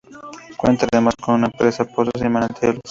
Cuenta además con una presa, pozos y manantiales.